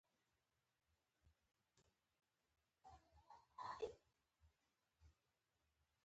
چې د تنظيم شوي پلان په څپرکي کې يادې شوې دي.